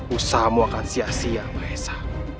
usahamu akan sia sia maesah